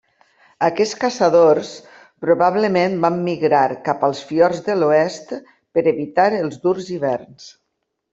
Aquests caçadors probablement van migrar cap als fiords de l'oest per evitar els durs hiverns.